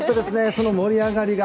その盛り上がりが。